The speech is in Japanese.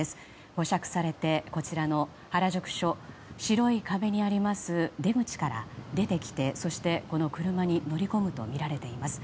保釈されて、こちらの原宿署白い壁にあります出口から出てきて、この車に乗り込むとみられています。